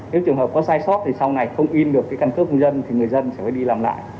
nếu trường hợp có sai sót thì sau này không in được cái căn cước công dân thì người dân sẽ phải đi làm lại